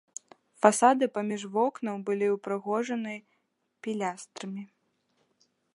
Фасады паміж вокнаў былі ўпрыгожаны пілястрамі.